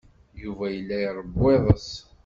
Yuba yella iṛewwu iḍes.